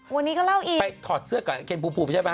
วันนี้ก็เล่าอีกไปถอดเสื้อกับเคนปู่ปู่ไม่ใช่ป่ะ